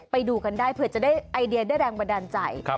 ไปดูกันได้เผื่อจะได้ไอเดียได้แรงบันดาลใจ